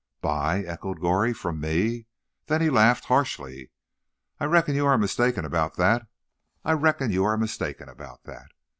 "Buy!" echoed Goree. "From me?" Then he laughed harshly. "I reckon you are mistaken about that. I reckon you are mistaken about that.